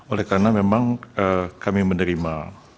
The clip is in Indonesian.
oleh karena memang kami menerima